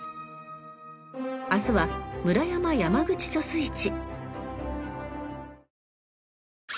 明日は村山・山口貯水池。